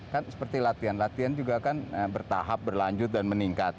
kan seperti latihan latihan juga kan bertahap berlanjut dan meningkat